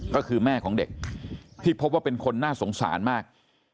ก็คือแม่ของเด็กที่พบว่าเป็นคนน่าสงสารมาก